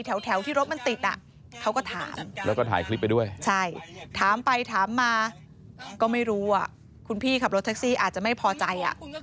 แถวที่รถมันติดเขาก็ถามแล้วก็ถ่ายคลิปไปด้วย